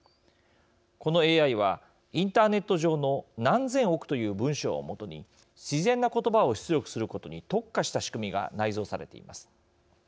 このＡＩは、インターネット上の何千億という文章をもとに自然な言葉を出力することに特化した仕組みが内蔵されています。